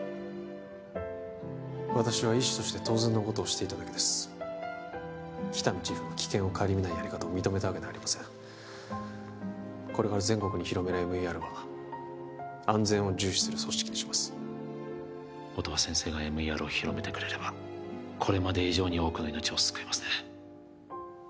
私は医師として当然のことをしていただけです喜多見チーフの危険を顧みないやり方を認めたわけではありませんこれから全国に広めるＭＥＲは安全を重視する組織にします音羽先生がＭＥＲを広めてくれればこれまで以上に多くの命を救えますね